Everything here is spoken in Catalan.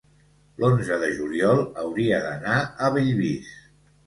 l'onze de juliol hauria d'anar a Bellvís.